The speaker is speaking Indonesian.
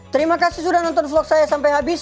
terima kasih sudah nonton vlog saya sampai habis